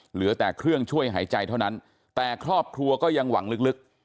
เหลือแต่เครื่องช่วยหายใจเท่านั้นแต่ครอบครัวก็ยังหวังลึก